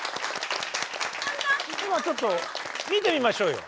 今ちょっと見てみましょうよ。